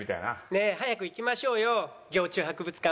ねえ早く行きましょうよ蟯虫博物館。